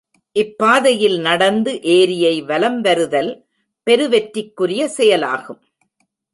இப்பாதையில் நடந்து ஏரியை வலம் வருதல் பெருவெற்றிக்குரிய செயலாகும்.